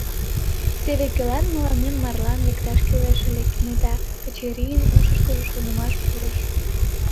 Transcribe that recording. «Теве кӧлан мыланем марлан лекташ кӱлеш ыле, — кенета Качырийын ушышкыжо шонымаш пурыш.